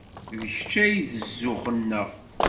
D kečč ay d zzux-nneɣ.